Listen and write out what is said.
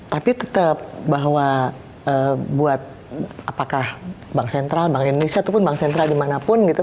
tapi tetap bahwa buat apakah bank sentral bank indonesia ataupun bank sentral dimanapun gitu